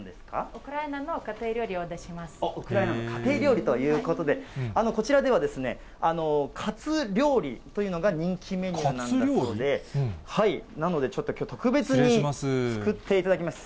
ウクライナの家庭料理を出しウクライナの家庭料理ということで、こちらではカツ料理というの人気メニューなんだそうで、なのでちょっと、きょうは特別に作っていただきます。